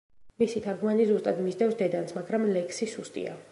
მისი თარგმანი ზუსტად მისდევს დედანს, მაგრამ ლექსი სუსტია.